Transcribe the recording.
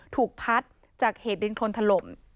ถูกพัดจากเหตุดินทนถล่ม